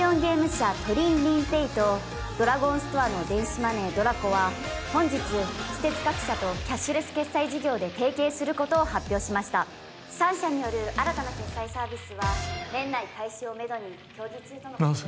社トリンリンＰａｙとドラゴンストアの電子マネーＤＲＡＣＯは本日私鉄各社とキャッシュレス決済事業で提携することを発表しました３社による新たな決済サービスは年内開始をメドに協議中とのことです